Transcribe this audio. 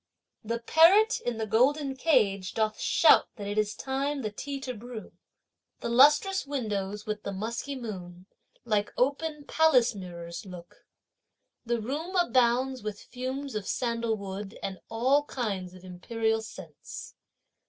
The parrot in the golden cage doth shout that it is time the tea to brew. The lustrous windows with the musky moon like open palace mirrors look; The room abounds with fumes of sandalwood and all kinds of imperial scents.